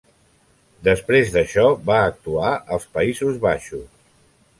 Després d'això va actuar als Països Baixos.